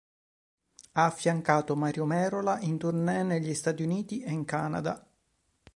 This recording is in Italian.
Ha affiancato Mario Merola in tournée negli Stati Uniti e in Canada.